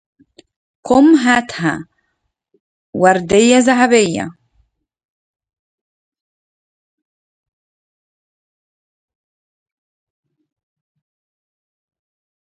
قم هاتها وردية ذهبية